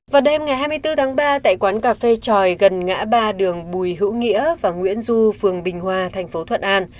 vào đêm ngày hai mươi bốn tháng ba tại quán cà phê tròi gần ngã ba đường bùi hữu nghĩa và nguyễn du phường bình hòa thành phố thuận an